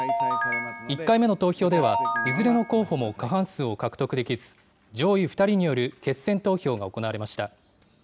１回目の投票では、いずれの候補も過半数を獲得できず、上位２人による決選投票が行われました。